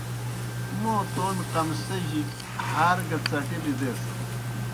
موں تومیْ قمصِجیْ ہار گہ څٹیئی بِدیسِن۔